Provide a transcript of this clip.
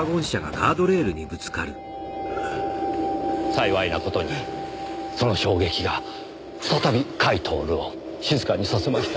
幸いな事にその衝撃が再び甲斐享を静かにさせました。